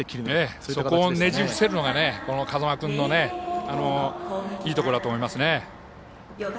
そこをねじ伏せるのが風間君のいいところだと思います。